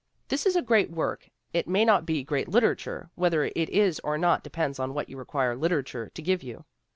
This is great work ; it may not be great literature; whether it is or not depends on what you require "literature" to give you.